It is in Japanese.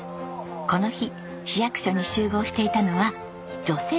この日市役所に集合していたのは女性消防隊です。